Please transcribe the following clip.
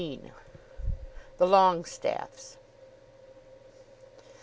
THE LONGESTAFFES.